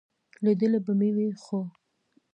لیدلی به مې وي، خو ...